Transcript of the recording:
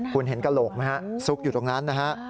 คุณเห็นกระโหลกไหมฮะซุกอยู่ตรงนั้นนะฮะ